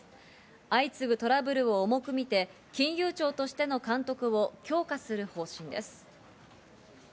相次ぐトラブルを重く見て、金融庁としての監督を強化する方針です。